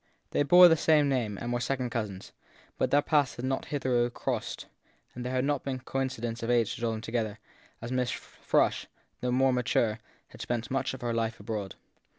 They bore the same name and were second cousins ; but their paths had not hitherto crossed ; there had not been coincidence of age to draw them together; and Miss Frush, the more mature, had spent much of her life abroad.